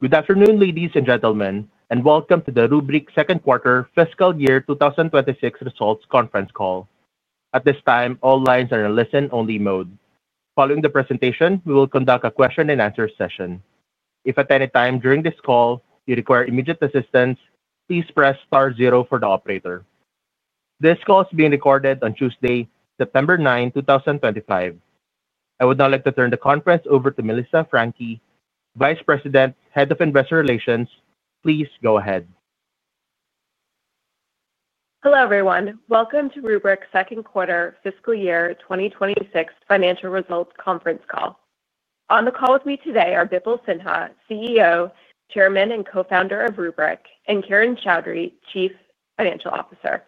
Good afternoon, ladies and gentlemen, and welcome to the Rubrik Second Quarter Fiscal Year 2026 Results Conference Call. At this time, all lines are in a listen-only mode. Following the presentation, we will conduct a question-and-answer session. If at any time during this call you require immediate assistance, please press * zero for the operator. This call is being recorded on Tuesday, September 9, 2025. I would now like to turn the conference over to Melissa Franchi, Vice President, Head of Investor Relations. Please go ahead. Hello, everyone. Welcome to Rubrik's Second Quarter Fiscal Year 2026 Financial Results Conference Call. On the call with me today are Bipul Sinha, CEO, Chairman and Co-Founder of Rubrik, and Kiran Choudary, Chief Financial Officer.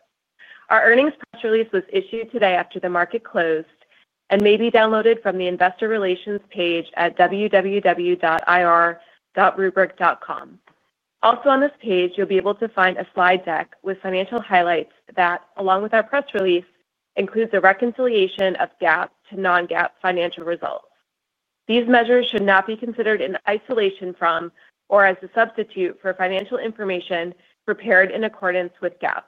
Our earnings press release was issued today after the market closed and may be downloaded from the investor relations page at www.ir.rubrik.com. Also on this page, you'll be able to find a slide deck with financial highlights that, along with our press release, includes a reconciliation of GAAP to non-GAAP financial results. These measures should not be considered in isolation from or as a substitute for financial information prepared in accordance with GAAP.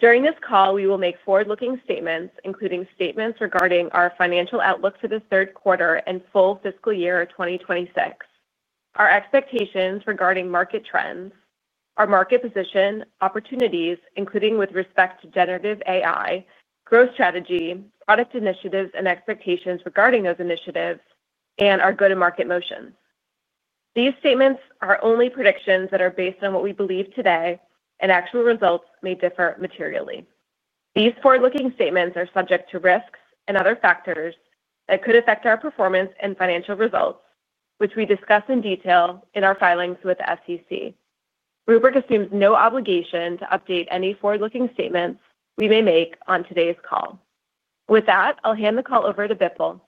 During this call, we will make forward-looking statements, including statements regarding our financial outlook for the third quarter and full fiscal year 2026, our expectations regarding market trends, our market position, opportunities, including with respect to generative AI, growth strategy, product initiatives, and expectations regarding those initiatives, and our go-to-market motion. These statements are only predictions that are based on what we believe today, and actual results may differ materially. These forward-looking statements are subject to risks and other factors that could affect our performance and financial results, which we discuss in detail in our filings with the SEC. Rubrik assumes no obligation to update any forward-looking statements we may make on today's call. With that, I'll hand the call over to Bipul.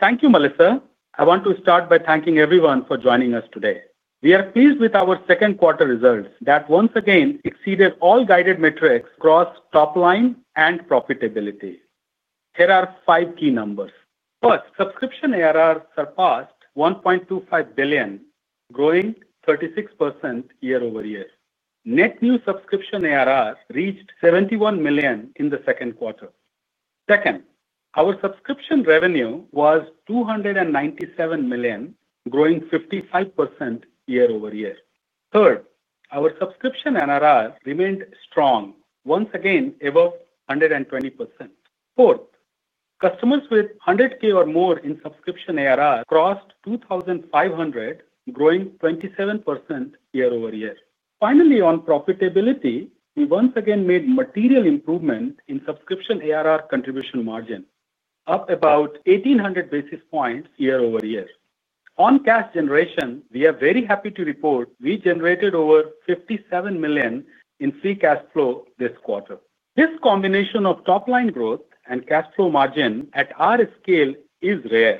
Thank you, Melissa. I want to start by thanking everyone for joining us today. We are pleased with our second quarter results that once again exceeded all guided metrics across top line and profitability. Here are five key numbers. First, subscription ARR surpassed $1.25 billion, growing 36% year-over-year. Net new subscription ARR reached $71 million in the second quarter. Second, our subscription revenue was $297 million, growing 55% year-over-year. Third, our subscription NRR remained strong, once again above 120%. Fourth, customers with $100,000 or more in subscription ARR crossed 2,500, growing 27% year-over-year. Finally, on profitability, we once again made a material improvement in subscription ARR contribution margin, up about 1,800 basis points year-over-year. On cash generation, we are very happy to report we generated over $57 million in free cash flow this quarter. This combination of top-line growth and cash flow margin at our scale is rare.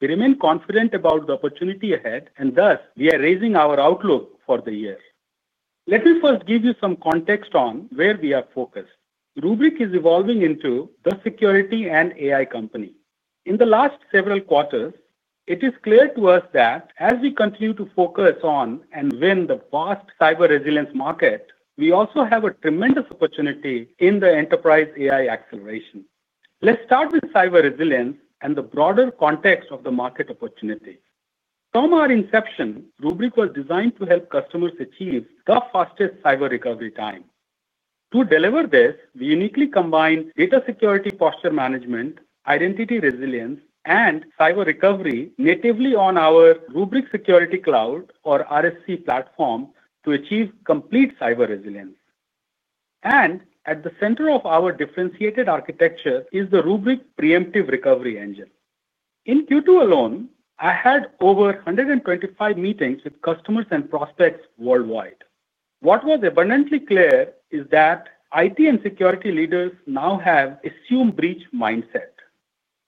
We remain confident about the opportunity ahead, and thus, we are raising our outlook for the year. Let me first give you some context on where we are focused. Rubrik is evolving into the security and AI company. In the last several quarters, it is clear to us that as we continue to focus on and win the vast cyber resilience market, we also have a tremendous opportunity in the enterprise AI acceleration. Let's start with cyber resilience and the broader context of the market opportunity. From our inception, Rubrik was designed to help customers achieve the fastest cyber recovery time. To deliver this, we uniquely combined data security posture management, identity resilience, and cyber recovery natively on our Rubrik Security Cloud, or RSC, platform to achieve complete cyber resilience. At the center of our differentiated architecture is the Rubrik Preemptive Recovery Engine. In Q2 alone, I had over 125 meetings with customers and prospects worldwide. What was abundantly clear is that IT and security leaders now have an assumed breach mindset,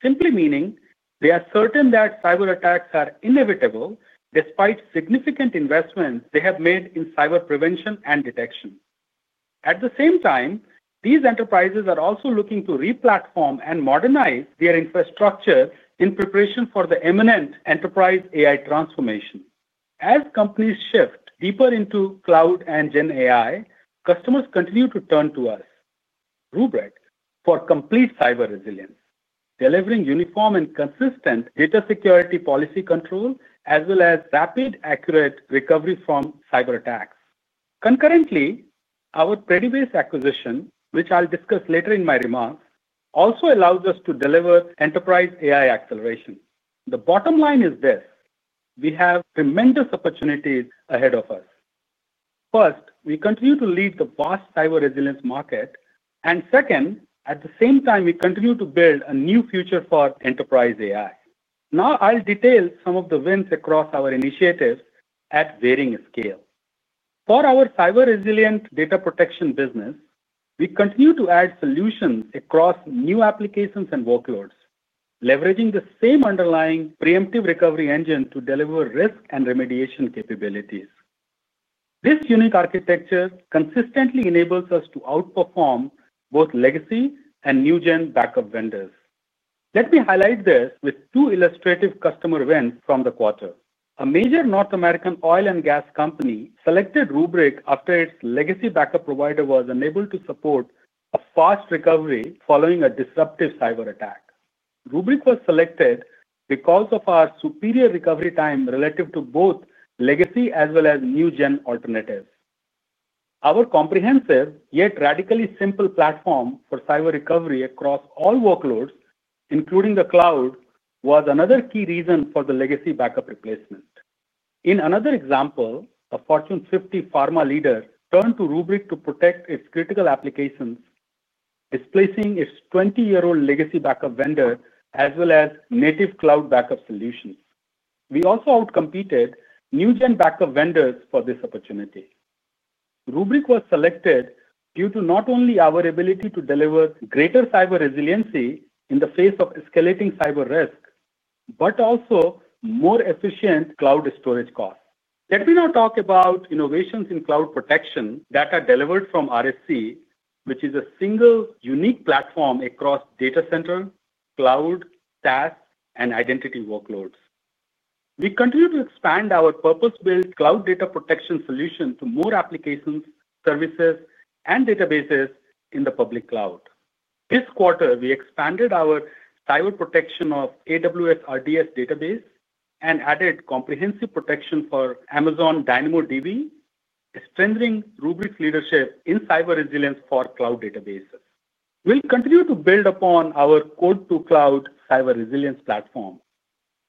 simply meaning they are certain that cyber attacks are inevitable despite significant investments they have made in cyber prevention and detection. At the same time, these enterprises are also looking to replatform and modernize their infrastructure in preparation for the imminent enterprise AI transformation. As companies shift deeper into cloud and GenAI, customers continue to turn to us, Rubrik, for complete cyber resilience, delivering uniform and consistent data security policy control, as well as rapid, accurate recovery from cyber attacks. Concurrently, our Predibase acquisition, which I'll discuss later in my remarks, also allows us to deliver enterprise AI acceleration. The bottom line is this: we have tremendous opportunities ahead of us. First, we continue to lead the vast cyber resilience market, and second, at the same time, we continue to build a new future for enterprise AI. Now I'll detail some of the wins across our initiatives at varying scales. For our cyber resilient data protection business, we continue to add solutions across new applications and workloads, leveraging the same underlying Preemptive Recovery Engine to deliver risk and remediation capabilities. This unique architecture consistently enables us to outperform both legacy and new GenAI backup vendors. Let me highlight this with two illustrative customer wins from the quarter. A major North American oil and gas company selected Rubrik after its legacy backup provider was unable to support a fast recovery following a disruptive cyber attack. Rubrik was selected because of our superior recovery time relative to both legacy as well as new GenAI alternatives. Our comprehensive, yet radically simple platform for cyber recovery across all workloads, including the cloud, was another key reason for the legacy backup replacement. In another example, a Fortune 50 pharma leader turned to Rubrik to protect its critical applications, displacing its 20-year-old legacy backup vendor as well as native cloud backup solutions. We also outcompeted new GenAI backup vendors for this opportunity. Rubrik was selected due to not only our ability to deliver greater cyber resiliency in the face of escalating cyber risk, but also more efficient cloud storage costs. Let me now talk about innovations in cloud protection that are delivered from RSC, which is a single unique platform across data center, cloud, SaaS, and identity workloads. We continue to expand our purpose-built cloud data protection solution to more applications, services, and databases in the public cloud. This quarter, we expanded our cyber protection of AWS RDS database and added comprehensive protection for Amazon DynamoDB, strengthening Rubrik's leadership in cyber resilience for cloud databases. We'll continue to build upon our code-to-cloud cyber resilience platform,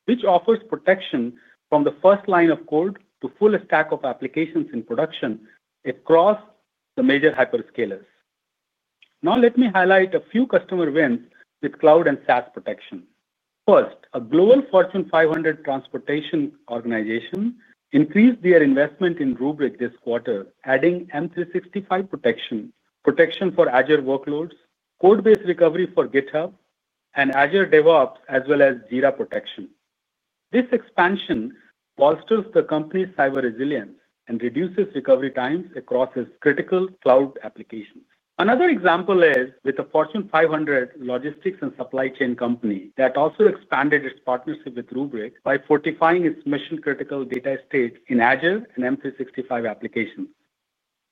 which offers protection from the first line of code to a full stack of applications in production across the major hyperscalers. Now, let me highlight a few customer wins with cloud and SaaS protection. First, a global Fortune 500 transportation organization increased their investment in Rubrik this quarter, adding M365 protection, protection for Azure workloads, code-based recovery for GitHub and Azure DevOps, as well as Jira protection. This expansion bolsters the company's cyber resilience and reduces recovery times across its critical cloud applications. Another example is with a Fortune 500 logistics and supply chain company that also expanded its partnership with Rubrik by fortifying its mission-critical data estate in Azure and M365 applications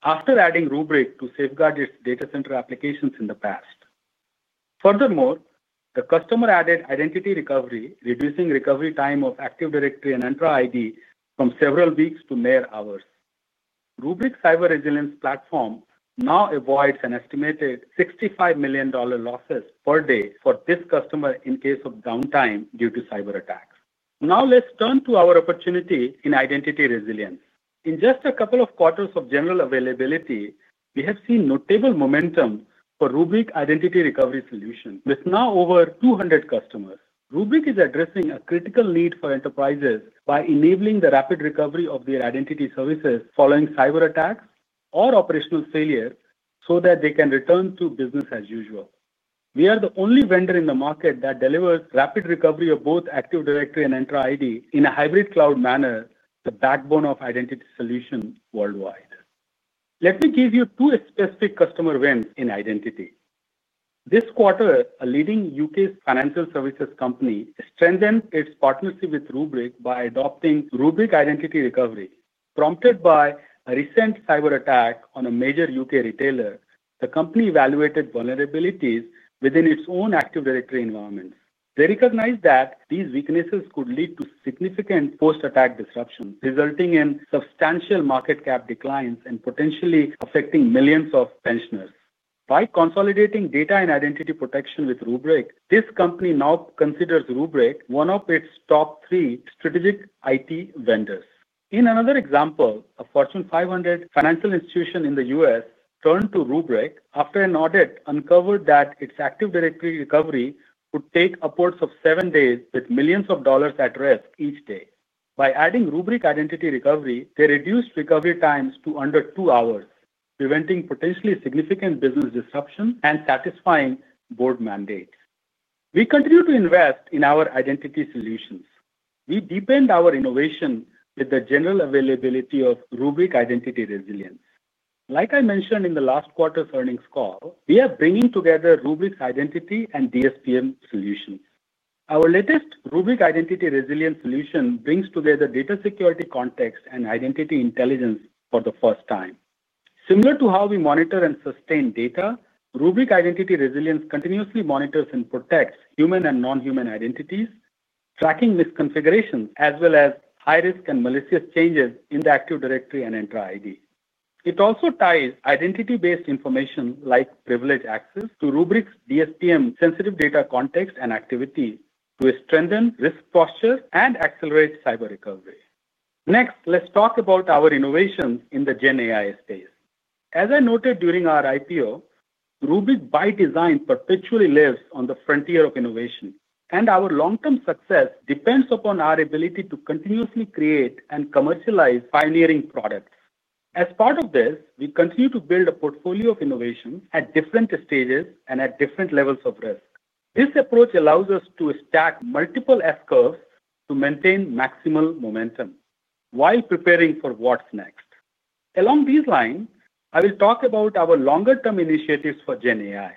after adding Rubrik to safeguard its data center applications in the past. Furthermore, the customer added identity recovery, reducing recovery time of Active Directory and Entra ID from several weeks to mere hours. Rubrik's cyber resilience platform now avoids an estimated $65 million losses per day for this customer in case of downtime due to cyber attacks. Now, let's turn to our opportunity in identity resilience. In just a couple of quarters of general availability, we have seen notable momentum for Rubrik's identity recovery solution with now over 200 customers. Rubrik is addressing a critical need for enterprises by enabling the rapid recovery of their identity services following cyber attacks or operational failure so that they can return to business as usual. We are the only vendor in the market that delivers rapid recovery of both Active Directory and Entra ID in a hybrid cloud manner, the backbone of identity solutions worldwide. Let me give you two specific customer wins in identity. This quarter, a leading U.K. financial services company strengthened its partnership with Rubrik by adopting Rubrik Identity Recovery. Prompted by a recent cyber attack on a major U.K. retailer, the company evaluated vulnerabilities within its own Active Directory environment. They recognized that these weaknesses could lead to significant post-attack disruption, resulting in substantial market cap declines and potentially affecting millions of pensioners. By consolidating data and identity protection with Rubrik, this company now considers Rubrik one of its top three strategic IT vendors. In another example, a Fortune 500 financial institution in the U.S. turned to Rubrik after an audit uncovered that its Active Directory recovery could take upwards of seven days with millions of dollars at risk each day. By adding Rubrik Identity Recovery, they reduced recovery times to under two hours, preventing potentially significant business disruption and satisfying board mandates. We continue to invest in our identity solutions. We deepened our innovation with the general availability of Rubrik Identity Resilience. Like I mentioned in the last quarter's earnings call, we are bringing together Rubrik's identity and DSPM solution. Our latest Rubrik Identity Resilience solution brings together data security context and identity intelligence for the first time. Similar to how we monitor and sustain data, Rubrik Identity Resilience continuously monitors and protects human and non-human identities, tracking misconfigurations as well as high-risk and malicious changes in the Active Directory and Entra ID. It also ties identity-based information like privileged access to Rubrik's DSPM sensitive data context and activity to strengthen risk posture and accelerate cyber recovery. Next, let's talk about our innovation in the GenAI space. As I noted during our IPO, Rubrik by design perpetually lives on the frontier of innovation, and our long-term success depends upon our ability to continuously create and commercialize pioneering products. As part of this, we continue to build a portfolio of innovation at different stages and at different levels of risk. This approach allows us to stack multiple S-curves to maintain maximal momentum while preparing for what's next. Along these lines, I will talk about our longer-term initiatives for GenAI.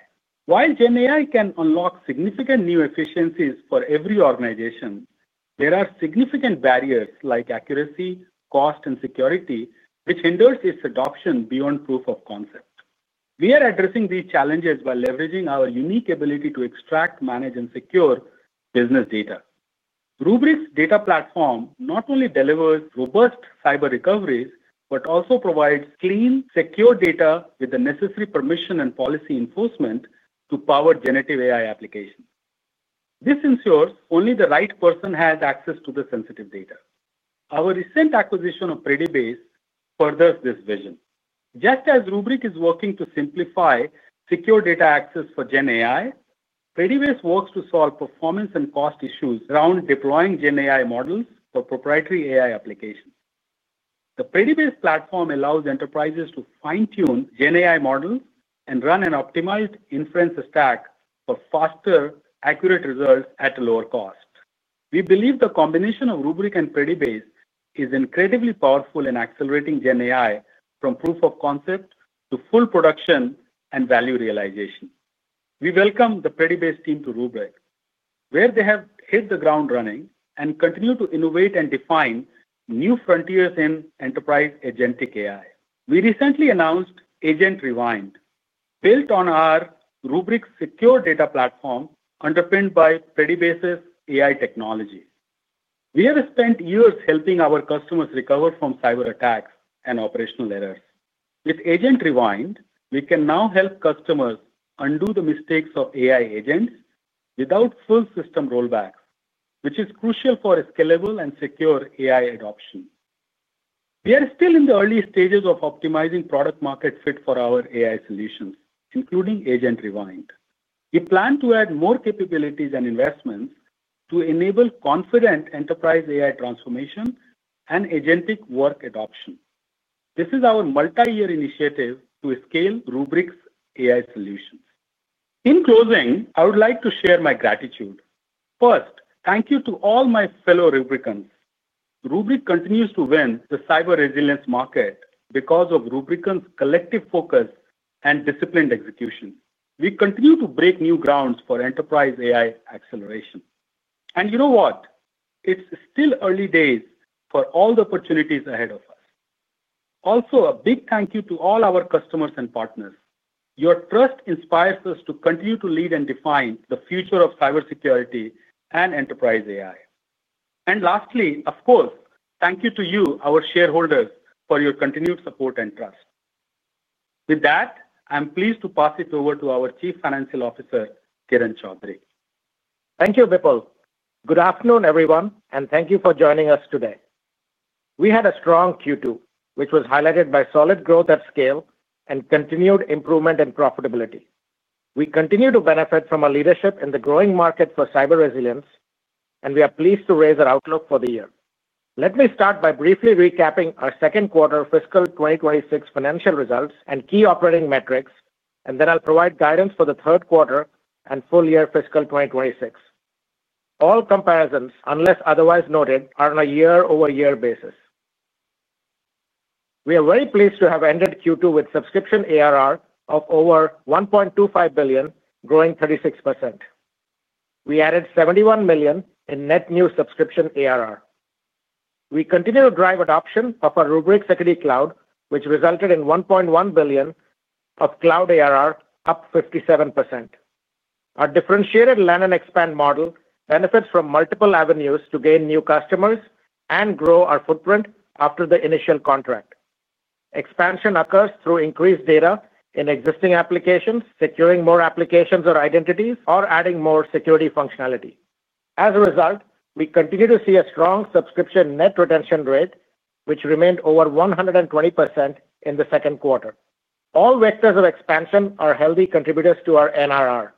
While GenAI can unlock significant new efficiencies for every organization, there are significant barriers like accuracy, cost, and security, which hinder its adoption beyond proof of concept. We are addressing these challenges by leveraging our unique ability to extract, manage, and secure business data. Rubrik's data platform not only delivers robust cyber recoveries but also provides clean, secure data with the necessary permission and policy enforcement to power generative AI applications. This ensures only the right person has access to the sensitive data. Our recent acquisition of Predibase furthers this vision. Just as Rubrik is working to simplify secure data access for GenAI, Predibase works to solve performance and cost issues around deploying GenAI models for proprietary AI applications. The Predibase platform allows enterprises to fine-tune GenAI models and run an optimized inference stack for faster, accurate results at a lower cost. We believe the combination of Rubrik and Predibase is incredibly powerful in accelerating GenAI from proof of concept to full production and value realization. We welcome the Predibase team to Rubrik, where they have hit the ground running and continue to innovate and define new frontiers in enterprise agentic AI. We recently announced Agent Rewind, built on our Rubrik Security Cloud platform underpinned by Predibase's AI technology. We have spent years helping our customers recover from cyber attacks and operational errors. With Agent Rewind, we can now help customers undo the mistakes of AI agents without full system rollbacks, which is crucial for a scalable and secure AI adoption. We are still in the early stages of optimizing product-market fit for our AI solutions, including Agent Rewind. We plan to add more capabilities and investments to enable confident enterprise AI transformation and agentic work adoption. This is our multi-year initiative to scale Rubrik's AI solution. In closing, I would like to share my gratitude. First, thank you to all my fellow Rubrikan. Rubrik continues to win the cyber resilience market because of Rubrikan's collective focus and disciplined execution. We continue to break new grounds for enterprise AI acceleration. It's still early days for all the opportunities ahead of us. Also, a big thank you to all our customers and partners. Your trust inspires us to continue to lead and define the future of cybersecurity and enterprise AI. Lastly, of course, thank you to you, our shareholders, for your continued support and trust. With that, I'm pleased to pass it over to our Chief Financial Officer, Kiran Choudary. Thank you, Bipul. Good afternoon, everyone, and thank you for joining us today. We had a strong Q2, which was highlighted by solid growth at scale and continued improvement in profitability. We continue to benefit from our leadership in the growing market for cyber resilience, and we are pleased to raise our outlook for the year. Let me start by briefly recapping our second quarter fiscal 2026 financial results and key operating metrics, and then I'll provide guidance for the third quarter and full year fiscal 2026. All comparisons, unless otherwise noted, are on a year-over-year basis. We are very pleased to have ended Q2 with subscription ARR of over $1.25 billion, growing 36%. We added $71 million in net new subscription ARR. We continue to drive adoption of our Rubrik Security Cloud, which resulted in $1.1 billion of cloud ARR, up 57%. Our differentiated land and expand model benefits from multiple avenues to gain new customers and grow our footprint after the initial contract. Expansion occurs through increased data in existing applications, securing more applications or identities, or adding more security functionality. As a result, we continue to see a strong subscription net retention rate, which remained over 120% in the second quarter. All vectors of expansion are healthy contributors to our NRR,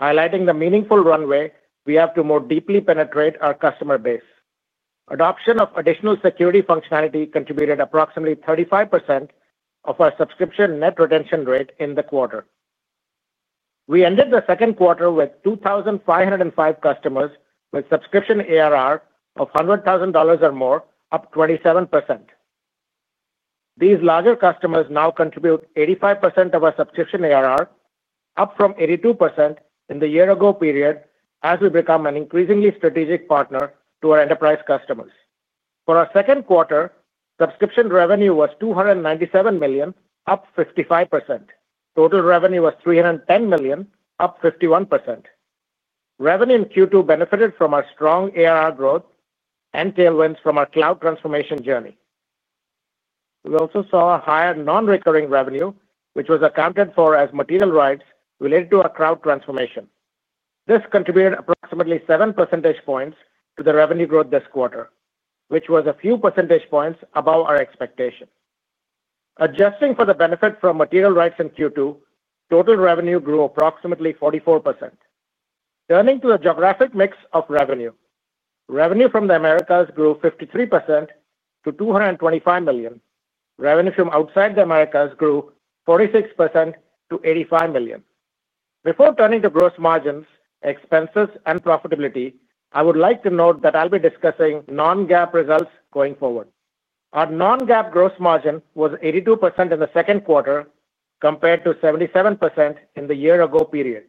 highlighting the meaningful runway we have to more deeply penetrate our customer base. Adoption of additional security functionality contributed approximately 35% of our subscription net retention rate in the quarter. We ended the second quarter with 2,505 customers with subscription ARR of $100,000 or more, up 27%. These larger customers now contribute 85% of our subscription ARR, up from 82% in the year-ago period, as we become an increasingly strategic partner to our enterprise customers. For our second quarter, subscription revenue was $297 million, up 55%. Total revenue was $310 million, up 51%. Revenue in Q2 benefited from our strong ARR growth and tailwinds from our cloud transformation journey. We also saw a higher non-recurring revenue, which was accounted for as material rights related to our cloud transformation. This contributed approximately 7 percentage points to the revenue growth this quarter, which was a few percentage points above our expectation. Adjusting for the benefit from material rights in Q2, total revenue grew approximately 44%. Turning to a geographic mix of revenue, revenue from the Americas grew 53% to $225 million. Revenue from outside the Americas grew 46% to $85 million. Before turning to gross margins, expenses, and profitability, I would like to note that I'll be discussing non-GAAP results going forward. Our non-GAAP gross margin was 82% in the second quarter compared to 77% in the year-ago period.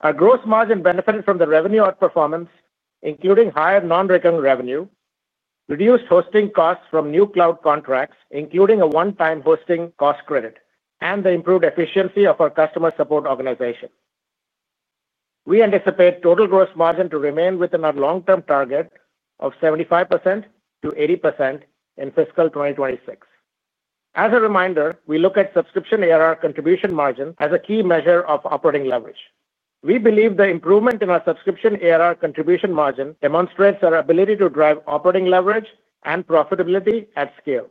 Our gross margin benefited from the revenue outperformance, including higher non-recurring revenue, reduced hosting costs from new cloud contracts, including a one-time hosting cost credit, and the improved efficiency of our customer support organization. We anticipate total gross margin to remain within our long-term target of 75%-80% in fiscal 2026. As a reminder, we look at subscription ARR contribution margin as a key measure of operating leverage. We believe the improvement in our subscription ARR contribution margin demonstrates our ability to drive operating leverage and profitability at scale.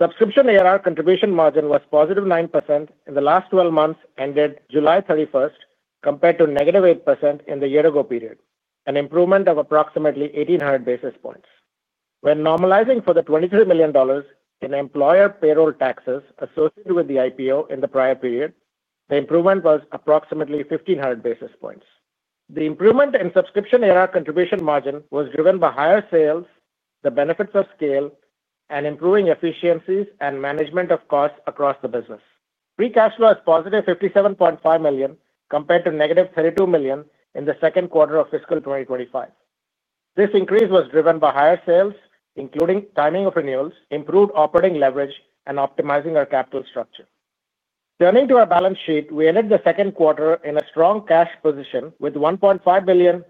Subscription ARR contribution margin was +9% in the last 12 months ended July 31st compared to -8% in the year-ago period, an improvement of approximately 1,800 basis points. When normalizing for the $23 million in employer payroll taxes associated with the IPO in the prior period, the improvement was approximately 1,500 basis points. The improvement in subscription ARR contribution margin was driven by higher sales, the benefits of scale, and improving efficiencies and management of costs across the business. Free cash flow is +$57.5 million compared to -$32 million in the second quarter of fiscal 2025. This increase was driven by higher sales, including timing of renewals, improved operating leverage, and optimizing our capital structure. Turning to our balance sheet, we ended the second quarter in a strong cash position with $1.5 billion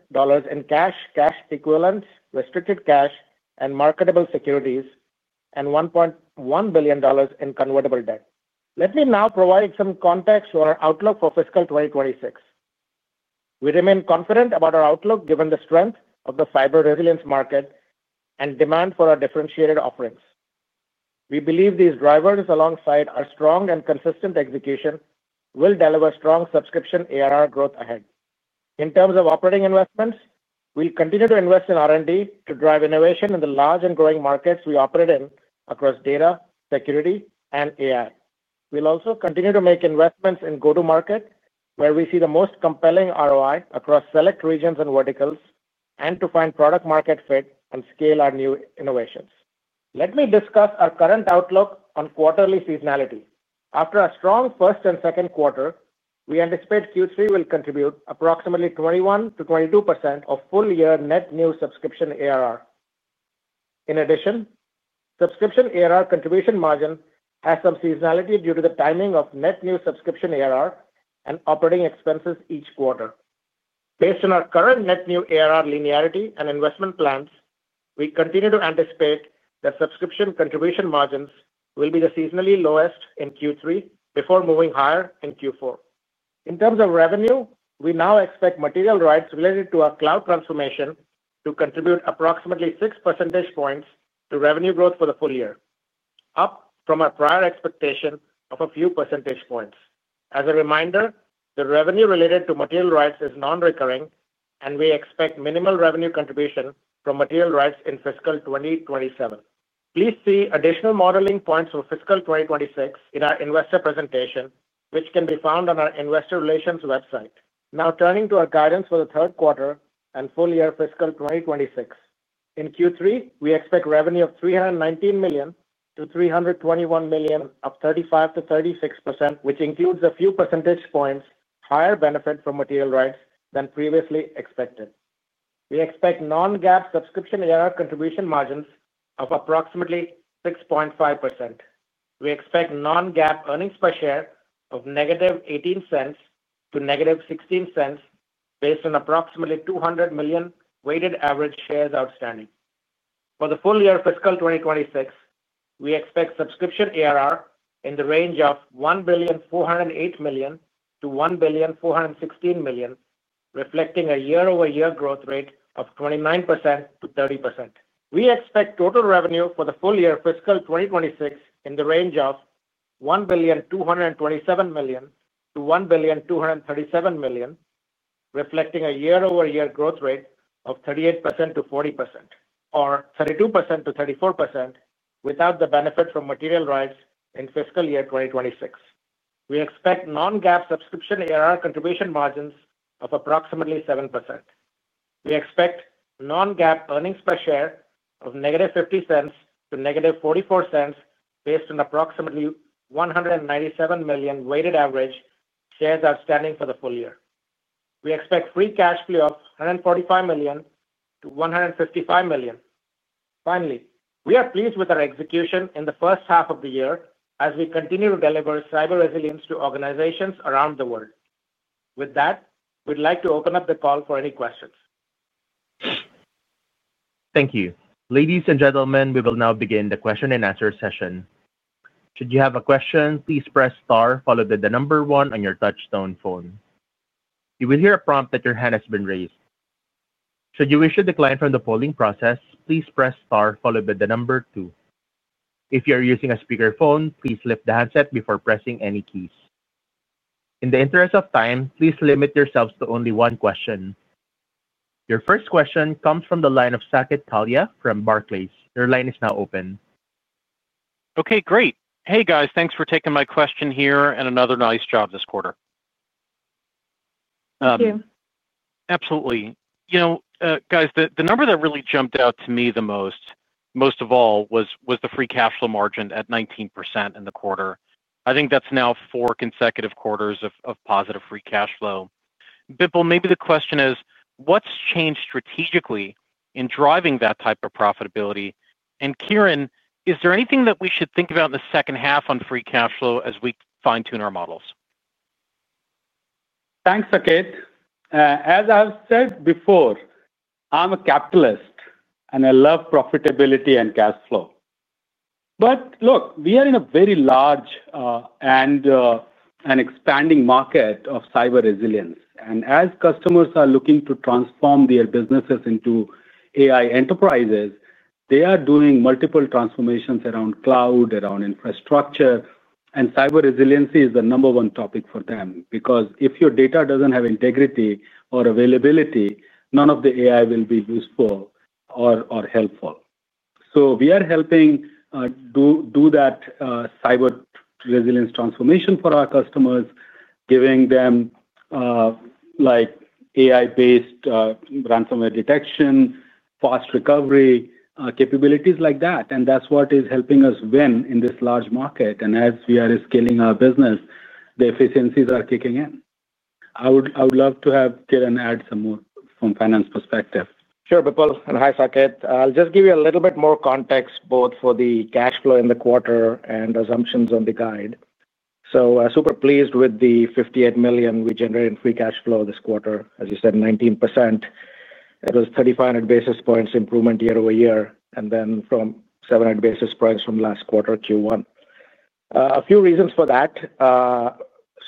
in cash, cash equivalents, restricted cash, and marketable securities, and $1.1 billion in convertible debt. Let me now provide some context to our outlook for fiscal 2026. We remain confident about our outlook given the strength of the cyber resilience market and demand for our differentiated offerings. We believe these drivers, alongside our strong and consistent execution, will deliver strong subscription ARR growth ahead. In terms of operating investments, we'll continue to invest in R&D to drive innovation in the large and growing markets we operate in across data, security, and AI. We'll also continue to make investments in go-to-market, where we see the most compelling ROI across select regions and verticals, and to find product-market fit and scale our new innovations. Let me discuss our current outlook on quarterly seasonality. After a strong first and second quarter, we anticipate Q3 will contribute approximately 21%-22% of full year net new subscription ARR. In addition, subscription ARR contribution margin has some seasonality due to the timing of net new subscription ARR and operating expenses each quarter. Based on our current net new ARR linearity and investment plans, we continue to anticipate that subscription contribution margins will be the seasonally lowest in Q3 before moving higher in Q4. In terms of revenue, we now expect material rights related to our cloud transformation to contribute approximately 6 percentage points to revenue growth for the full year, up from our prior expectation of a few percentage points. As a reminder, the revenue related to material rights is non-recurring, and we expect minimal revenue contribution from material rights in fiscal 2027. Please see additional modeling points for fiscal 2026 in our investor presentation, which can be found on our investor relations website. Now, turning to our guidance for the third quarter and full year fiscal 2026. In Q3, we expect revenue of $319 million-$321 million, up 35%-36%, which includes a few percentage points higher benefit from material rights than previously expected. We expect non-GAAP subscription ARR contribution margins of approximately 6.5%. We expect non-GAAP earnings per share of -$0.18 to -$0.16, based on approximately 200 million weighted average shares outstanding. For the full year fiscal 2026, we expect subscription ARR in the range of $1,408,000,000-$1,416,000,000, reflecting a year-over-year growth rate of 29%-30%. We expect total revenue for the full year fiscal 2026 in the range of $1,227,000,000-$1,237,000,000, reflecting a year-over-year growth rate of 38%-40%, or 32%-34% without the benefit from material rights in fiscal year 2026. We expect non-GAAP subscription ARR contribution margins of approximately 7%. We expect non-GAAP earnings per share of -$0.50 to -$0.44, based on approximately 197 million weighted average shares outstanding for the full year. We expect free cash flow of $145 million-$155 million. Finally, we are pleased with our execution in the first half of the year as we continue to deliver cyber resilience to organizations around the world. With that, we'd like to open up the call for any questions. Thank you. Ladies and gentlemen, we will now begin the question-and-answer session. Should you have a question, please press star followed by the number one on your touch-tone phone. You will hear a prompt that your hand has been raised. Should you wish to decline from the polling process, please press star followed by the number two. If you are using a speaker phone, please lift the handset before pressing any keys. In the interest of time, please limit yourselves to only one question. Your first question comes from the line of Saket Kalia from Barclays. Your line is now open. Okay, great. Hey guys, thanks for taking my question here and another nice job this quarter. Thank you. Absolutely. You know, guys, the number that really jumped out to me the most, most of all, was the free cash flow margin at 19% in the quarter. I think that's now four consecutive quarters of positive free cash flow. Bipul, maybe the question is, what's changed strategically in driving that type of profitability? Kiran, is there anything that we should think about in the second half on free cash flow as we fine-tune our models? Thanks, Saket. As I've said before, I'm a capitalist and I love profitability and cash flow. Look, we are in a very large and expanding market of cyber resilience. As customers are looking to transform their businesses into AI enterprises, they are doing multiple transformations around cloud, around infrastructure. Cyber resiliency is the number one topic for them because if your data doesn't have integrity or availability, none of the AI will be useful or helpful. We are helping do that cyber resilience transformation for our customers, giving them AI-based ransomware detection, fast recovery capabilities like that. That's what is helping us win in this large market. As we are scaling our business, the efficiencies are kicking in. I would love to have Kiran add some more from a finance perspective. Sure, Bipul. Hi, Saket. I'll just give you a little bit more context, both for the cash flow in the quarter and assumptions on the guide. I'm super pleased with the $58 million we generated in free cash flow this quarter. As you said, 19%. It was 3,500 basis points improvement year-over-year, and then from 700 basis points from last quarter Q1. A few reasons for that.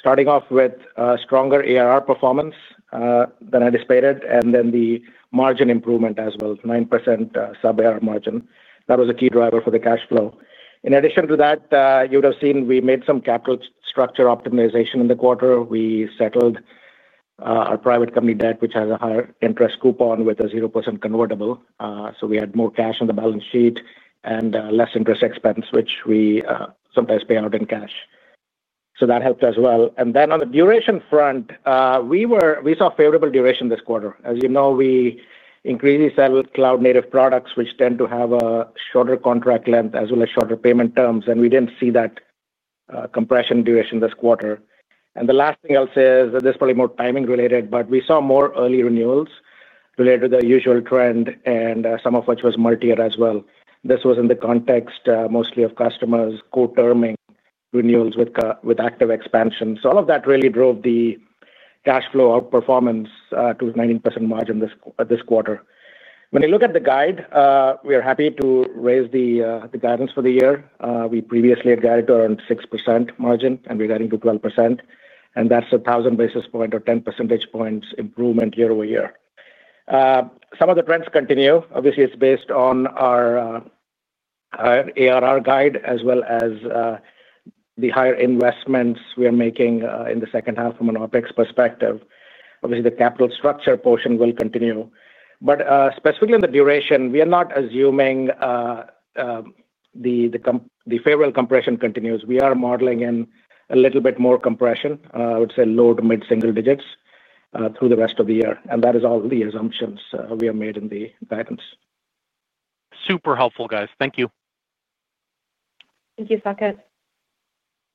Starting off with a stronger ARR performance than anticipated, and then the margin improvement as well, 9% sub-ARR margin. That was a key driver for the cash flow. In addition to that, you'd have seen we made some capital structure optimization in the quarter. We settled our private company debt, which has a higher interest coupon with a 0% convertible. We had more cash on the balance sheet and less interest expense, which we sometimes pay out in cash. That helped as well. On the duration front, we saw favorable duration this quarter. As you know, we increasingly sell cloud-native products, which tend to have a shorter contract length as well as shorter payment terms. We didn't see that compression duration this quarter. The last thing I'll say is this is probably more timing related, but we saw more early renewals related to the usual trend, and some of which was multi-year as well. This was in the context mostly of customers co-terming renewals with active expansion. All of that really drove the cash flow outperformance to a 19% margin this quarter. When you look at the guide, we are happy to raise the guidance for the year. We previously had guided to around 6% margin, and we're guiding to 12%. That's 1,000 basis point or 10 percentage points improvement year-over-year. Some of the trends continue. Obviously, it's based on our ARR guide as well as the higher investments we are making in the second half from an OpEx perspective. Obviously, the capital structure portion will continue. Specifically on the duration, we are not assuming the favorable compression continues. We are modeling in a little bit more compression, I would say low to mid-single digits through the rest of the year. That is all the assumptions we have made in the guidance. Super helpful, guys. Thank you. Thank you, Saket.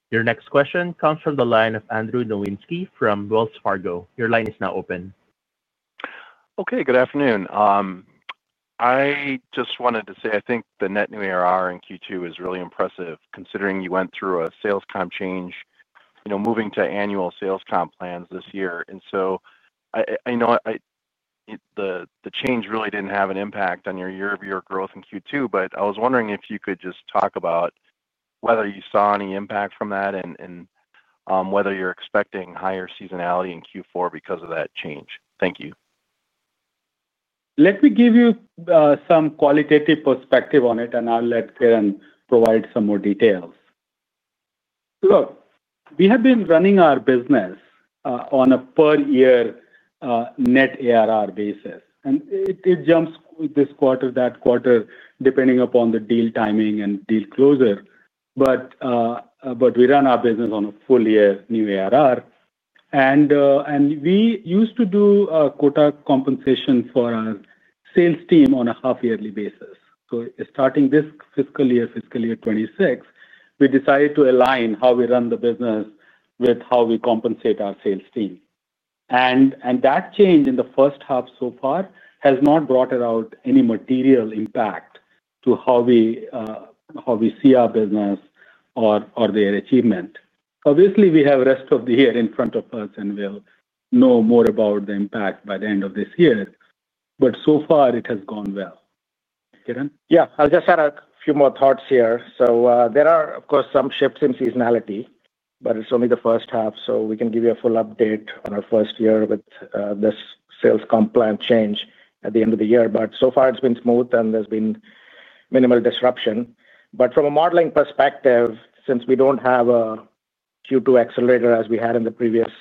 Your next question comes from the line of Andrew Nowinski from Wells Fargo. Your line is now open. Okay, good afternoon. I just wanted to say I think the net new ARR in Q2 is really impressive considering you went through a sales comp change, you know, moving to annual sales comp plans this year. I know the change really didn't have an impact on your year-over-year growth in Q2, but I was wondering if you could just talk about whether you saw any impact from that and whether you're expecting higher seasonality in Q4 because of that change. Thank you. Let me give you some qualitative perspective on it, and I'll let Kiran provide some more details. Look, we have been running our business on a per-year net ARR basis. It jumps this quarter, that quarter, depending upon the deal timing and deal closure. We run our business on a full-year new ARR. We used to do quota compensation for our sales team on a half-yearly basis. Starting this fiscal year, fiscal year 2026, we decided to align how we run the business with how we compensate our sales team. That change in the first half so far has not brought out any material impact to how we see our business or their achievement. Obviously, we have the rest of the year in front of us, and we'll know more about the impact by the end of this year. So far, it has gone well. Kiran? Yeah, I'll just add a few more thoughts here. There are, of course, some shifts in seasonality, but it's only the first half. We can give you a full update on our first year with this sales comp plan change at the end of the year. So far, it's been smooth, and there's been minimal disruption. From a modeling perspective, since we don't have a Q2 accelerator as we had in the previous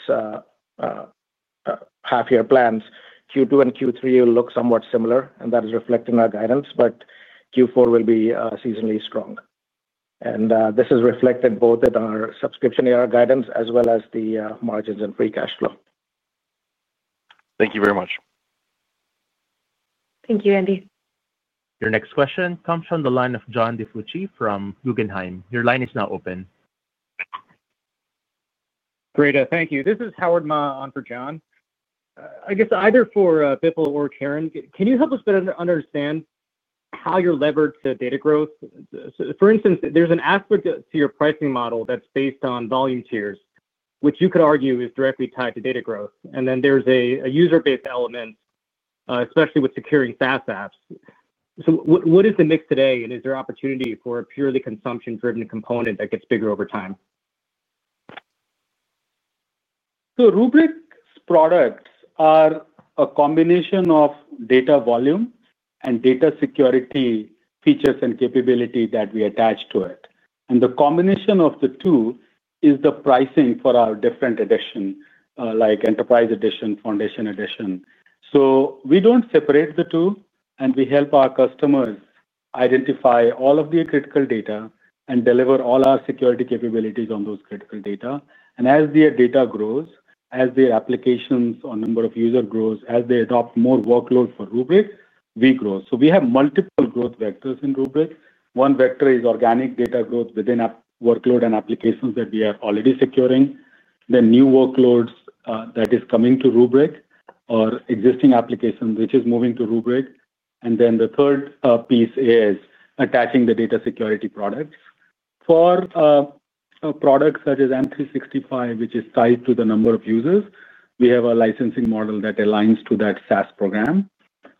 half-year plans, Q2 and Q3 will look somewhat similar, and that is reflecting our guidance. Q4 will be seasonally strong. This is reflected both in our subscription ARR guidance as well as the margins and free cash flow. Thank you very much. Thank you, Andrew. Your next question comes from the line of John DiFucci from Guggenheim. Your line is now open. Great, thank you. This is Howard Ma on for John. I guess either for Bipul or Kiran, can you help us better understand how you're levered to data growth? For instance, there's an aspect to your pricing model that's based on volume tiers, which you could argue is directly tied to data growth. There's a user-based element, especially with securing SaaS apps. What is the mix today, and is there opportunity for a purely consumption-driven component that gets bigger over time? Rubrik's products are a combination of data volume and data security features and capabilities that we attach to it. The combination of the two is the pricing for our different editions, like Enterprise Edition and Foundation Edition. We don't separate the two, and we help our customers identify all of their critical data and deliver all our security capabilities on those critical data. As their data grows, as their applications or number of users grows, as they adopt more workloads for Rubrik, we grow. We have multiple growth vectors in Rubrik. One vector is organic data growth within workload and applications that we are already securing. New workloads are coming to Rubrik or existing applications which are moving to Rubrik. The third piece is attaching the data security products. For products such as M365, which is tied to the number of users, we have a licensing model that aligns to that SaaS program.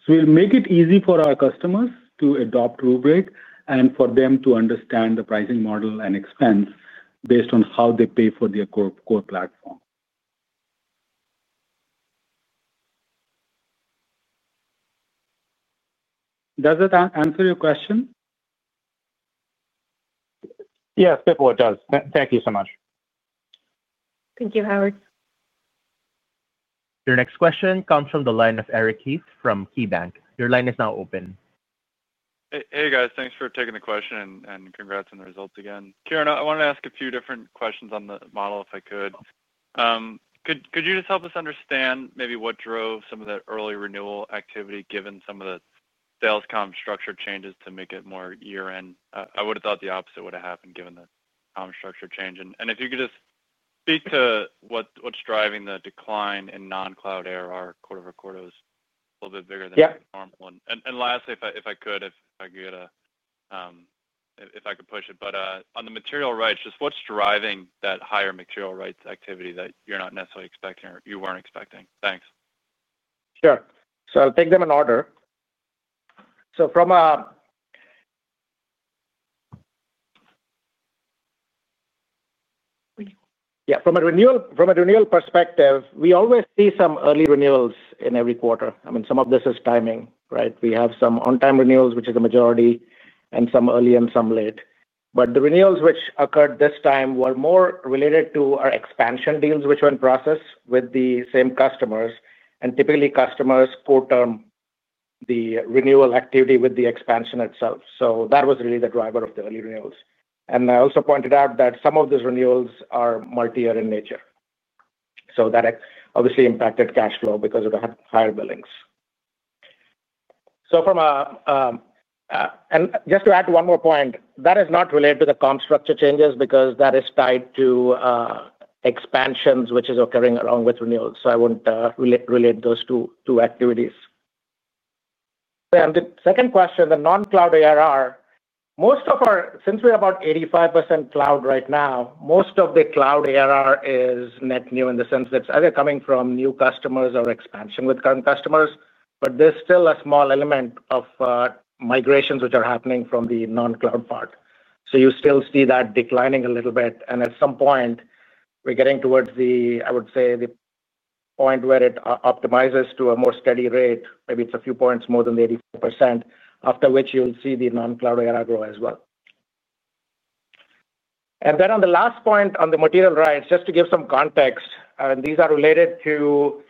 We make it easy for our customers to adopt Rubrik and for them to understand the pricing model and expense based on how they pay for their core platform. Does that answer your question? Yes, Bipul, it does. Thank you so much. Thank you, Howard. Your next question comes from the line of Eric Heath from KeyBanc. Your line is now open. Hey, guys, thanks for taking the question and congrats on the results again. Kiran, I wanted to ask a few different questions on the model if I could. Could you just help us understand maybe what drove some of that early renewal activity given some of the sales comp structure changes to make it more year-end? I would have thought the opposite would have happened given the comp structure change. If you could just speak to what's driving the decline in non-cloud ARR quarter over quarter, it is a little bit bigger than the normal one. Lastly, if I could get a, if I could push it, but on the material rights, just what's driving that higher material rights activity that you're not necessarily expecting or you weren't expecting? Thanks. Sure. I'll take them in order. From a renewal perspective, we always see some early renewals in every quarter. Some of this is timing, right? We have some on-time renewals, which is the majority, and some early and some late. The renewals which occurred this time were more related to our expansion deals which were in process with the same customers. Typically, customers quarter the renewal activity with the expansion itself. That was really the driver of the early renewals. I also pointed out that some of these renewals are multi-year in nature. That obviously impacted cash flow because it had higher billings. Just to add one more point, that is not related to the comp structure changes because that is tied to expansions which are occurring along with renewals. I won't relate those two activities. The second question, the non-cloud ARR, most of our, since we're about 85% cloud right now, most of the cloud ARR is net new in the sense that it's either coming from new customers or expansion with current customers. There's still a small element of migrations which are happening from the non-cloud part. You still see that declining a little bit. At some point, we're getting towards the point where it optimizes to a more steady rate. Maybe it's a few points more than the 85%, after which you'll see the non-cloud ARR grow as well. On the last point on the material rights, just to give some context, these are related to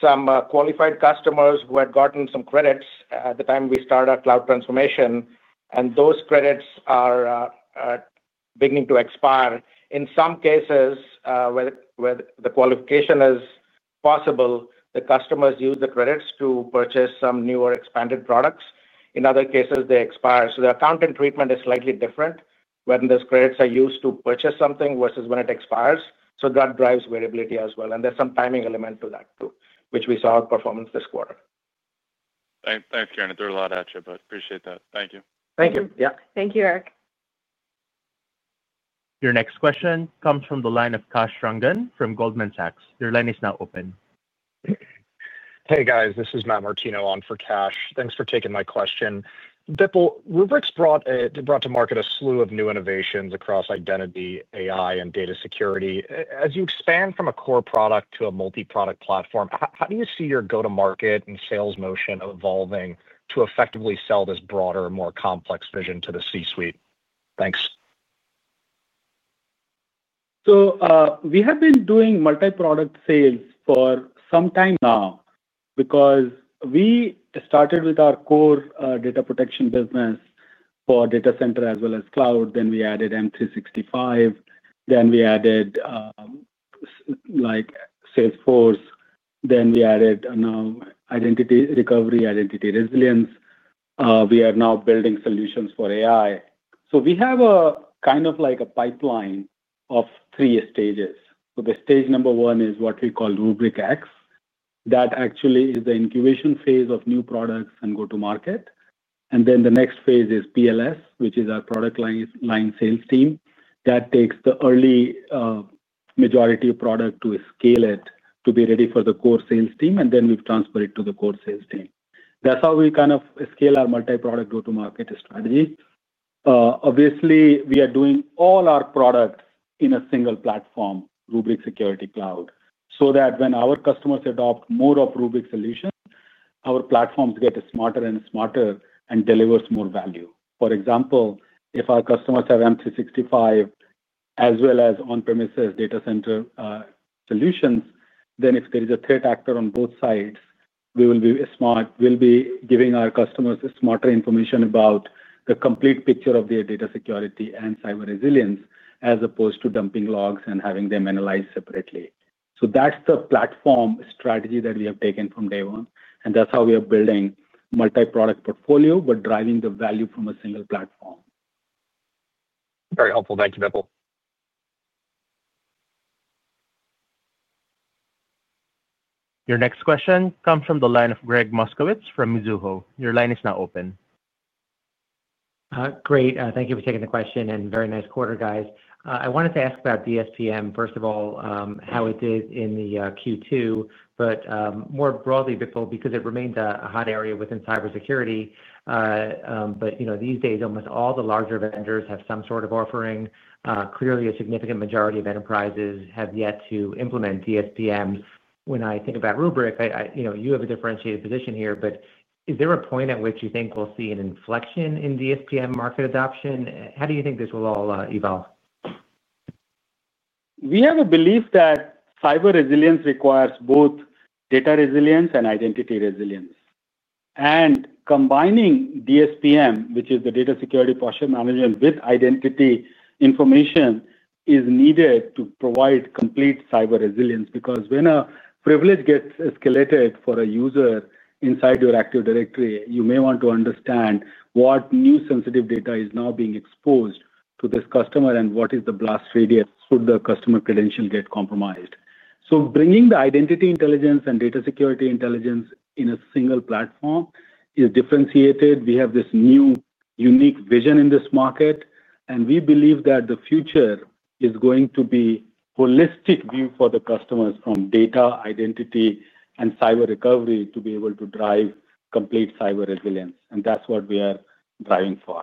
some qualified customers who had gotten some credits at the time we started our cloud transformation. Those credits are beginning to expire. In some cases, where the qualification is possible, the customers use the credits to purchase some new or expanded products. In other cases, they expire. The accountant treatment is slightly different when those credits are used to purchase something versus when it expires. That drives variability as well. There's some timing element to that too, which we saw outperformance this quarter. Thanks, Kiran. I threw a lot at you, but appreciate that. Thank you. Thank you. Yeah. Thank you, Eric. Your next question comes from the line of Kash Rangan from Goldman Sachs. Your line is now open. Hey, guys, this is Matt Martino on for Kash. Thanks for taking my question. Bipul, Rubrik brought to market a slew of new innovations across identity, AI, and data security. As you expand from a core product to a multi-product platform, how do you see your go-to-market and sales motion evolving to effectively sell this broader, more complex vision to the C-suite? Thanks. We have been doing multi-product sales for some time now because we started with our core data protection business for data center as well as cloud. We added M365, Salesforce, and now Identity Recovery, Identity Resilience. We are now building solutions for AI. We have a pipeline of three stages. The stage number one is what we call Rubrik X. That is the incubation phase of new products and go-to-market. The next phase is PLS, which is our product line sales team. That takes the early majority of product to scale it to be ready for the core sales team. We transfer it to the core sales team. That's how we scale our multi-product go-to-market strategy. Obviously, we are doing all our products in a single platform, Rubrik Security Cloud, so that when our customers adopt more of Rubrik solutions, our platforms get smarter and smarter and deliver more value. For example, if our customers have M365 as well as on-premises data center solutions, if there is a threat actor on both sides, we will be smart. We'll be giving our customers smarter information about the complete picture of their data security and cyber resilience as opposed to dumping logs and having them analyzed separately. That's the platform strategy that we have taken from day one. That's how we are building multi-product portfolio, but driving the value from a single platform. Very helpful. Thank you, Bipul. Your next question comes from the line of Gregg Moskowitz from Mizuho. Your line is now open. Great. Thank you for taking the question and very nice quarter, guys. I wanted to ask about DSPM, first of all, how it did in the Q2, but more broadly, Bipul, because it remained a hot area within cybersecurity. These days, almost all the larger vendors have some sort of offering. Clearly, a significant majority of enterprises have yet to implement DSPM. When I think about Rubrik, you have a differentiated position here, but is there a point at which you think we'll see an inflection in DSPM market adoption? How do you think this will all evolve? We have a belief that cyber resilience requires both data resilience and identity resilience. Combining DSPM, which is the data security portion, with identity information is needed to provide complete cyber resilience because when a privilege gets escalated for a user inside your Entra ID, you may want to understand what new sensitive data is now being exposed to this customer and what is the blast radius should the customer credential get compromised. Bringing the identity intelligence and data security intelligence in a single platform is differentiated. We have this new unique vision in this market, and we believe that the future is going to be a holistic view for the customers from data, identity, and cyber recovery to be able to drive complete cyber resilience. That's what we are driving for.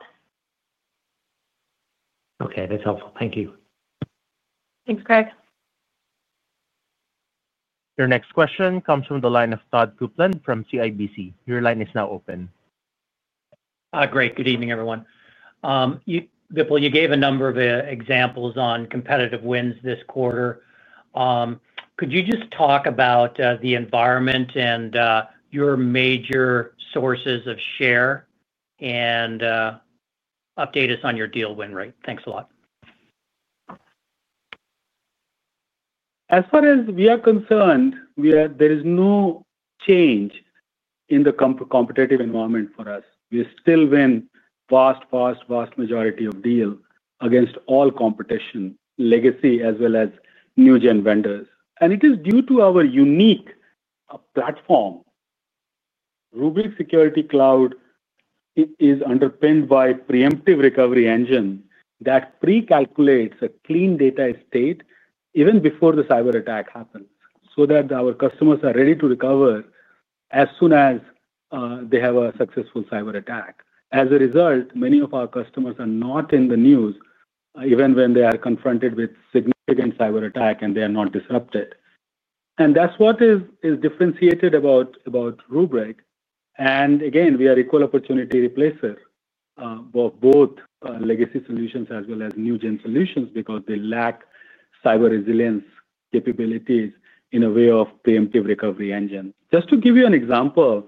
Okay, that's helpful. Thank you. Thanks, Greg. Your next question comes from the line of Todd Coupland from CIBC. Your line is now open. Great. Good evening, everyone. Bipul, you gave a number of examples on competitive wins this quarter. Could you just talk about the environment and your major sources of share and update us on your deal win rate? Thanks a lot. As far as we are concerned, there is no change in the competitive environment for us. We still win a vast, vast, vast majority of deals against all competition, legacy as well as new GenAI vendors. It is due to our unique platform. Rubrik Security Cloud is underpinned by a Preemptive Recovery Engine that pre-calculates a clean data state even before the cyber attack happens, so that our customers are ready to recover as soon as they have a successful cyber attack. As a result, many of our customers are not in the news even when they are confronted with a significant cyber attack and they are not disrupted. That is what is differentiated about Rubrik. We are an equal opportunity replacement of both legacy solutions as well as new GenAI solutions because they lack cyber resilience capabilities in a way of a Preemptive Recovery Engine. Just to give you an example,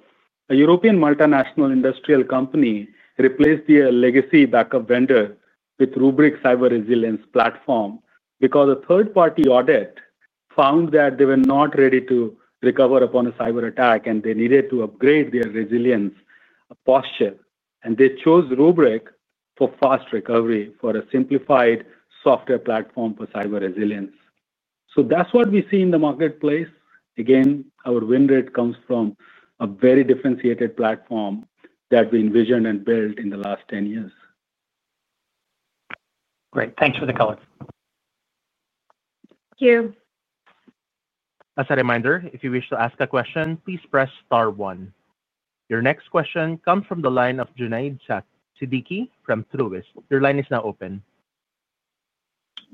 a European multinational industrial company replaced their legacy backup vendor with Rubrik's cyber resilience platform because a third-party audit found that they were not ready to recover upon a cyber attack and they needed to upgrade their resilience posture. They chose Rubrik for fast recovery, for a simplified software platform for cyber resilience. That is what we see in the marketplace. Our win rate comes from a very differentiated platform that we envisioned and built in the last 10 years. Great. Thanks for the call. Thank you. As a reminder, if you wish to ask a question, please press star one. Your next question comes from the line of Junaid Siddiqui from Truist. Your line is now open.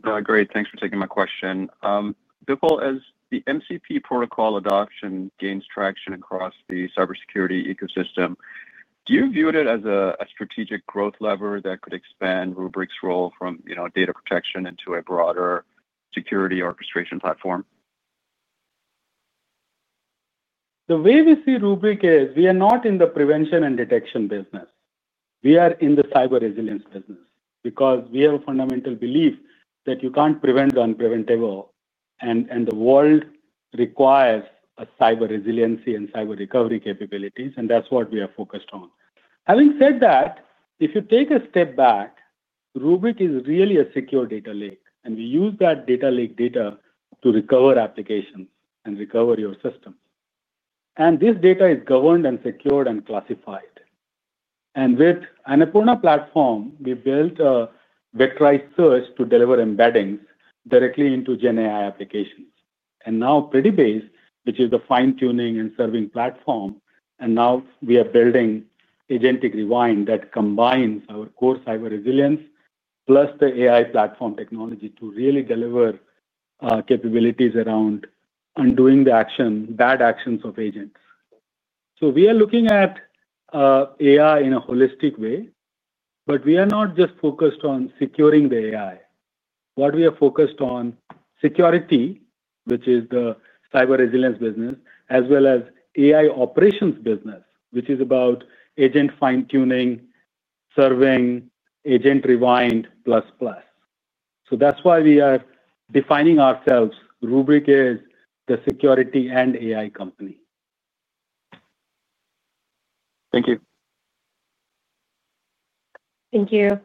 Great. Thanks for taking my question. Bipul, as the MCP protocol adoption gains traction across the cybersecurity ecosystem, do you view it as a strategic growth lever that could expand Rubrik's role from data protection into a broader security orchestration platform? The way we see Rubrik is we are not in the prevention and detection business. We are in the cyber resilience business because we have a fundamental belief that you can't prevent the unpreventable. The world requires cyber resiliency and cyber recovery capabilities, and that's what we are focused on. Having said that, if you take a step back, Rubrik is really a secure data lake. We use that data lake data to recover applications and recover your system. This data is governed and secured and classified. With the Annapurna platform, we built a vectorized search to deliver embeddings directly into GenAI applications. Now Predibase, which is the fine-tuning and serving platform, and now we are building Agent Rewind that combines our core cyber resilience plus the AI platform technology to really deliver capabilities around undoing the action, bad actions of agents. We are looking at AI in a holistic way, but we are not just focused on securing the AI. What we are focused on is security, which is the cyber resilience business, as well as the AI operations business, which is about agent fine-tuning, serving, (Agent Rewind plus plus). That's why we are defining ourselves. Rubrik is the security and AI company. Thank you. Thank you.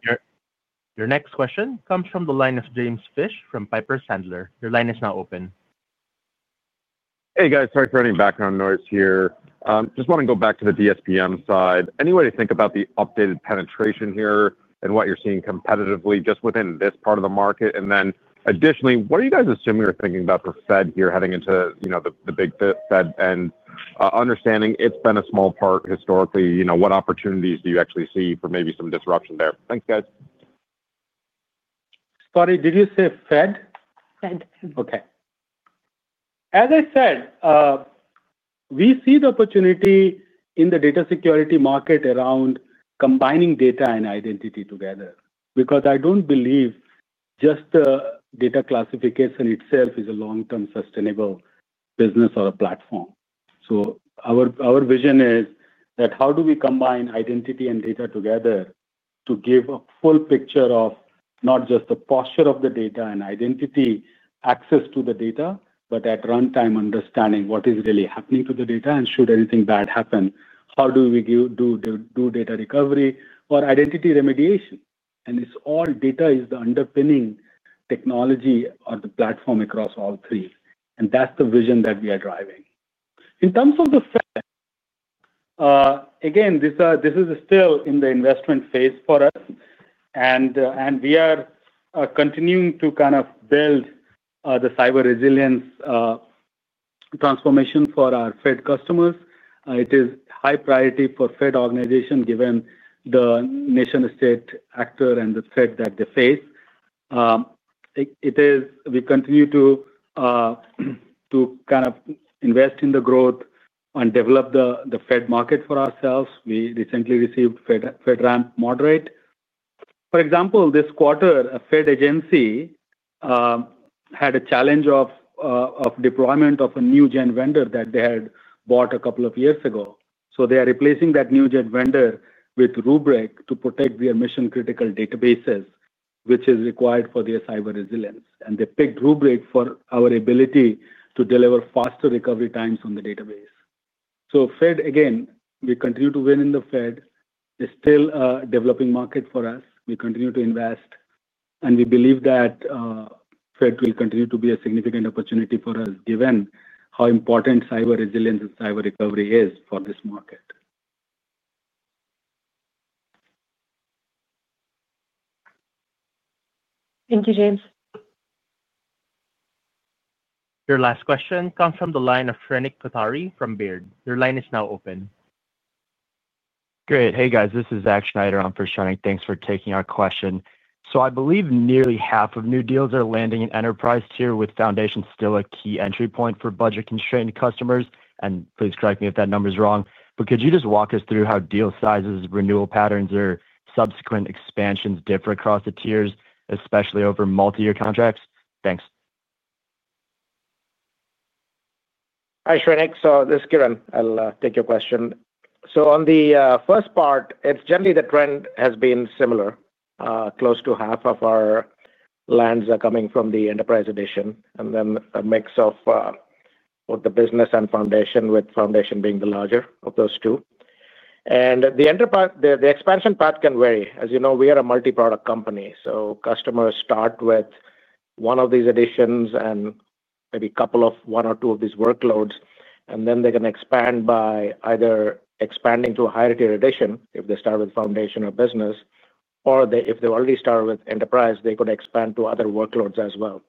Your next question comes from the line of James Fish from Piper Sandler. Your line is now open. Hey, guys, sorry for any background noise here. Just want to go back to the DSPM side. Any way to think about the updated penetration here and what you're seeing competitively just within this part of the market? Additionally, what are you guys assuming or thinking about the Fed here heading into the big Fed and understanding it's been a small part historically? You know, what opportunities do you actually see for maybe some disruption there? Thanks, guys. Sorry, did you say Fed? Fed. Okay. As I said, we see the opportunity in the data security market around combining data and identity together because I don't believe just the data classification itself is a long-term sustainable business or a platform. Our vision is that how do we combine identity and data together to give a full picture of not just the posture of the data and identity access to the data, but at runtime, understanding what is really happening to the data. Should anything bad happen, how do we do data recovery or identity remediation? It's all data is the underpinning technology or the platform across all three. That's the vision that we are driving. In terms of the Fed, this is still in the investment phase for us. We are continuing to kind of build the cyber resilience transformation for our Fed customers. It is a high priority for Fed organizations given the nation-state actor and the Fed that they face. We continue to kind of invest in the growth and develop the Fed market for ourselves. We recently received FedRAMP moderate. For example, this quarter, a Fed agency had a challenge of deployment of a new GenAI vendor that they had bought a couple of years ago. They are replacing that new GenAI vendor with Rubrik to protect their mission-critical databases, which is required for their cyber resilience. They picked Rubrik for our ability to deliver faster recovery times on the database. Fed, again, we continue to win in the Fed. It's still a developing market for us. We continue to invest. We believe that Fed will continue to be a significant opportunity for us given how important cyber resilience and cyber recovery is for this market. Thank you, James. Your last question comes from the line of Shrenik Kothari from Baird. Your line is now open. Great. Hey, guys, this is Zach Schneider on for Shrenik. Thanks for taking our question. I believe nearly half of new deals are landing in enterprise tier with Foundation still a key entry point for budget-constrained customers. Please correct me if that number is wrong. Could you just walk us through how deal sizes, renewal patterns, or subsequent expansions differ across the tiers, especially over multi-year contracts? Thanks. Hi, Shrenik. This is Kiran. I'll take your question. On the first part, the trend has been similar. Close to half of our lands are coming from the Enterprise Edition and then a mix of both the Business and Foundation, with Foundation being the larger of those two. The expansion path can vary. As you know, we are a multi-product company. Customers start with one of these editions and maybe a couple of one or two of these workloads. They're going to expand by either expanding to a higher-tier edition if they start with Foundation or Business, or if they already start with Enterprise Edition, they could expand to other workloads as well.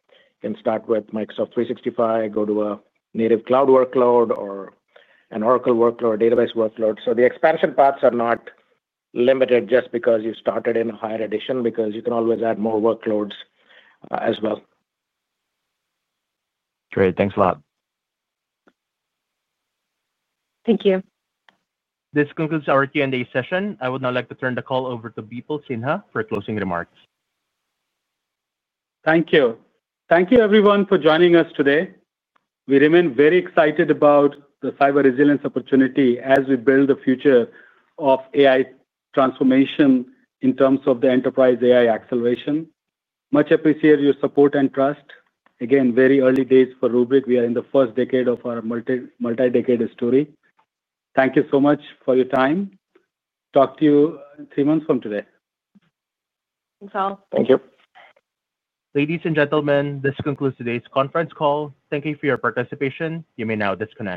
You can start with Microsoft 365, go to a native cloud workload, or an Oracle workload, or a database workload. The expansion paths are not limited just because you've started in a higher edition, because you can always add more workloads as well. Great, thanks a lot. Thank you. This concludes our Q&A session. I would now like to turn the call over to Bipul Sinha for closing remarks. Thank you. Thank you, everyone, for joining us today. We remain very excited about the cyber resilience opportunity as we build the future of AI transformation in terms of the enterprise AI acceleration. Much appreciate your support and trust. Again, very early days for Rubrik. We are in the first decade of our multi-decade story. Thank you so much for your time. Talk to you in three months from today. Thanks, all. Thank you. Ladies and gentlemen, this concludes today's conference call. Thank you for your participation. You may now disconnect.